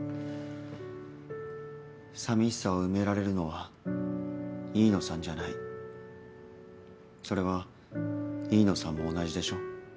さみしさを埋められるのは飯野さんじゃなそれは飯野さんも同じでしょ？